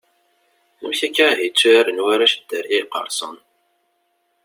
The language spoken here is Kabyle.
Amek akka ihi i tturaren warrac Dderya iqersen?